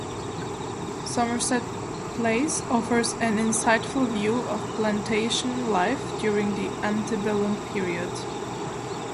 Somerset Place offers an insightful view of plantation life during the antebellum period.